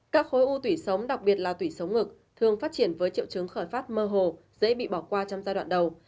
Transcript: các khối u tủy sống đặc biệt là tủy sống ngực thường phát triển với triệu chứng khởi phát mơ hồ dễ bị bỏ qua trong giai đoạn đầu